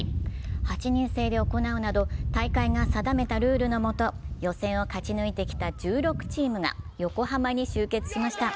８人制で行うなど、大会が定めたルールのもと予選を勝ち抜いてきた１６チームが横浜に集結しました。